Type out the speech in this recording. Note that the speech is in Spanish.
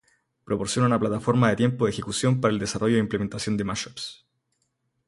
Proporciona una plataforma de tiempo de ejecución para el desarrollo e implementación de mashups.